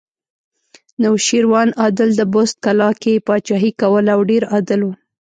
نوشیروان عادل د بست کلا کې پاچاهي کوله او ډېر عادل و